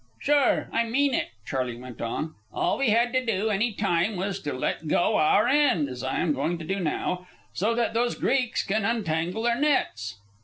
"Sure, I mean it," Charley went on. "All we had to do, any time, was to let go our end as I am going to do now, so that those Greeks can untangle their nets."